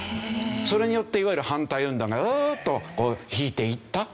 それによっていわゆる反対運動がグーッと引いていったという事なんですね。